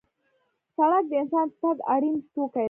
سړک د انسان د تګ اړین توکی دی.